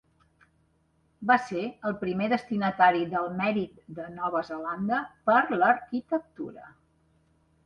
Va ser el primer destinatari del mèrit de Nova Zelanda per l'arquitectura.